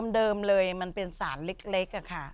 เดิมเลยเป็นศาลเล็กค่ะ